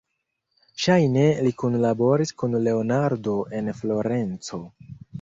Ŝajne li kunlaboris kun Leonardo en Florenco.